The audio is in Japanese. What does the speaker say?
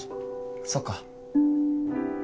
そっか。